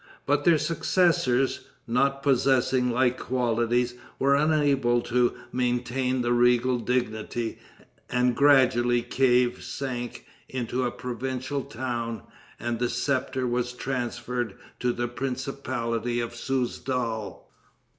But their successors, not possessing like qualities, were unable to maintain the regal dignity; and gradually Kief sank into a provincial town, and the scepter was transferred to the principality of Souzdal.